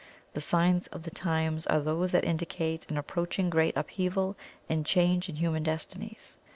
The signs of the times are those that indicate an approaching great upheaval and change in human destinies.